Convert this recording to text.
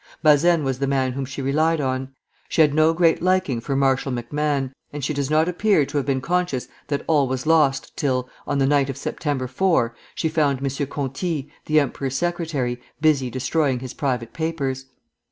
Bazaine was the man whom she relied on. She had no great liking for Marshal MacMahon, and she does not appear to have been conscious that all was lost till, on the night of September 4, she found M. Conti, the emperor's secretary, busy destroying his private papers.